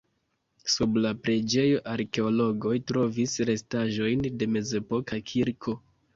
Sub la preĝejo arkeologoj trovis restaĵojn de mezepoka kirko.